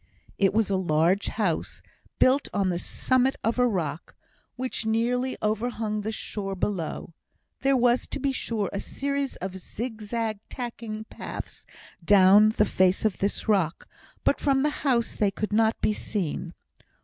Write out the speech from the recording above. It was a large house, built on the summit of a rock, which nearly overhung the shore below; there were, to be sure, a series of zigzag tacking paths down the face of this rock, but from the house they could not be seen.